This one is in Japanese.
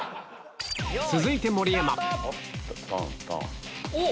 続いて盛山おっ。